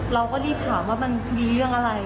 เราก็รีบถามว่ามันมีเรื่องอะไร